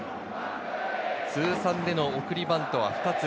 通算での送りバントは２つ。